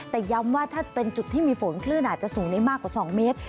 แต่ย้ำว่าถ้าเป็นจุดที่มีฝนคลื่นอาจจะสูงได้มากกว่า๒เมตร